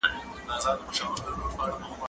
هغه څوک چي پلان جوړوي منظم وي؟